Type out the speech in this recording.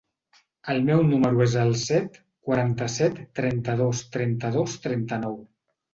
El meu número es el set, quaranta-set, trenta-dos, trenta-dos, trenta-nou.